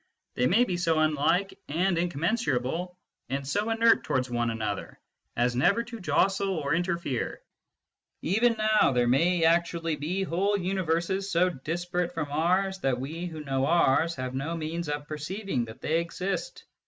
They may be so unlike and incommensurable, and so inert towards one another, as never to jostle or interfere. Even now there may actually be whole universes so disparate from ours that we who know ours have no means of perceiving that they exist.